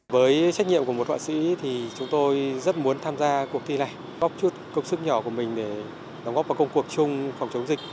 với trách nhiệm của một họa sĩ thì chúng tôi rất muốn tham gia cuộc thi này góp chút công sức nhỏ của mình để đóng góp vào công cuộc chung phòng chống dịch